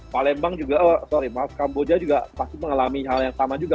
palembang juga sorry maaf kamboja juga pasti mengalami hal yang sama juga